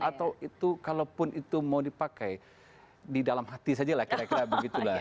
atau itu kalaupun itu mau dipakai di dalam hati saja lah kira kira begitulah